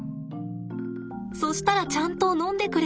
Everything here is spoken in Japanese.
そしたらちゃんと飲んでくれるんです。